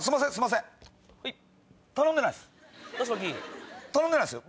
頼んでないですよ。